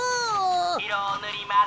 いろをぬります。